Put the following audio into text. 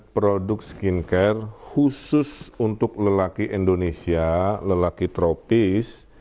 produk skincare khusus untuk lelaki indonesia lelaki tropis